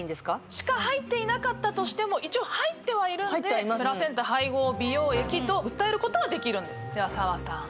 しか入っていなかったとしても一応入ってはいるんでプラセンタ配合美容液とうたえることはできるんですでは砂羽さん